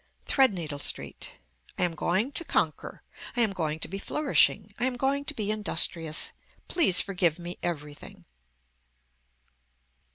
THREADNEEDLE STREET I am going to conquer. I am going to be flourishing. I am going to be industrious. Please forgive me everything.